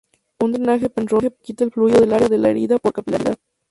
Un drenaje Penrose quita el fluido del área de la herida por capilaridad.